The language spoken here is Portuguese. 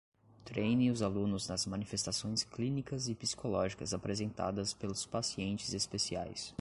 Treine os alunos nas manifestações clínicas e psicológicas apresentadas pelos pacientes especiais.